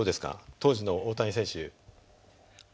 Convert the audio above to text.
当時の大谷選手。